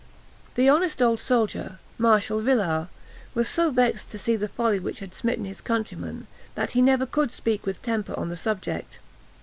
] The honest old soldier, Marshal Villars, was so vexed to see the folly which had smitten his countrymen, that he never could speak with temper on the subject.